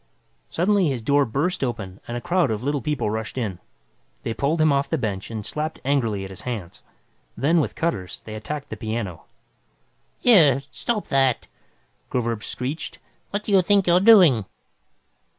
Suddenly his door burst open and a crowd of Little People rushed in. They pulled him off the bench and slapped angrily at his hands. Then, with cutters, they attacked the piano. "Here, stop that!" Groverzb screeched. "What do you think you're doing?"